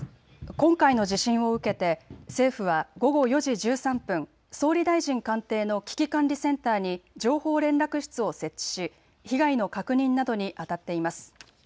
今回の地震を受けて政府は午後４時１３分、総理大臣官邸の危機管理センターに情報連絡室を設置し被害の確認などにあたっています。